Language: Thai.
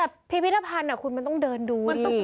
แต่พิพิธภัณฑ์คุณมันต้องเดินดู